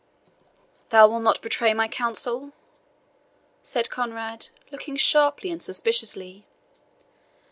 "Thou wilt not betray my counsel?" said Conrade, looking sharply and suspiciously.